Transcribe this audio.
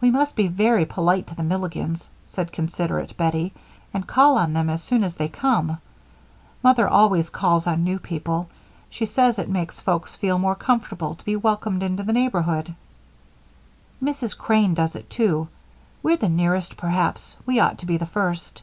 "We must be very polite to the Milligans," said considerate Bettie, "and call on them as soon as they come. Mother always calls on new people; she says it makes folks feel more comfortable to be welcomed into the neighborhood." "Mrs. Crane does it, too. We're the nearest, perhaps we ought to be the first."